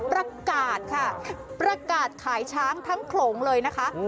ประกาศค่ะประกาศขายช้างทั้งโขลงเลยนะคะ